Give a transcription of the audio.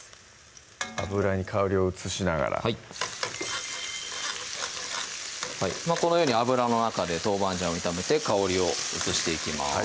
油に香りを移しながらはいこのように油の中で豆板醤を炒めて香りを移していきます